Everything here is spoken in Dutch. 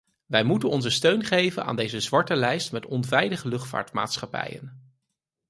Wij moeten onze steun geven aan deze zwarte lijst met onveilige luchtvaartmaatschappijen.